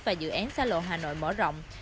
và dự án xa lộ hà nội mở rộng